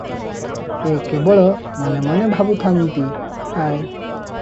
ସେ କେବଳ ମନେ ମନେ ଭାବୁଥାନ୍ତି "ହାୟ!